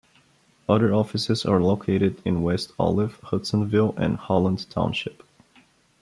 Other offices are located in West Olive, Hudsonville and Holland Township.